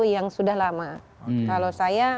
yang sudah lama kalau saya